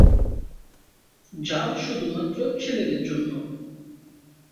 যা শুধুমাত্র ছেলেদের জন্য।